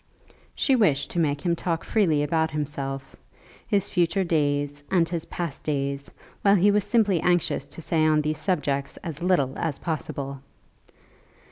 She wished to make him talk freely about himself, his future days, and his past days, while he was simply anxious to say on these subjects as little as possible.